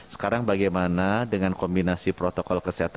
sekarang bagaimana dengan kombinasi protokol kesehatan yang baik